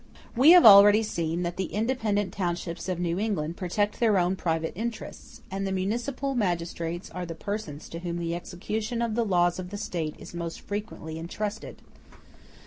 We have already seen that the independent townships of New England protect their own private interests; and the municipal magistrates are the persons to whom the execution of the laws of the State is most frequently entrusted.